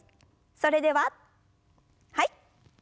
それでははい。